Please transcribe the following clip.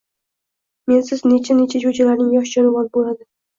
Mensiz necha-necha jo‘jalarning yosh joni uvol bo‘ladi